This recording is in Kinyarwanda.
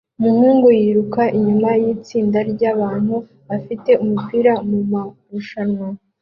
Umuhungu yiruka inyuma yitsinda ryabantu bafite imipira mumarushanwa